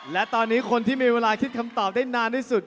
และตอนนี้คนที่มีเวลาคิดคำตอบได้นานที่สุด